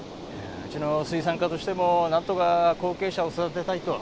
うちの水産課としても何とか後継者を育てたいと。